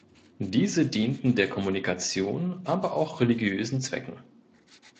Diese dienten der Kommunikation, aber auch religiösen Zwecken.